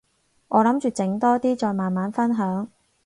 我諗住整多啲，再慢慢分享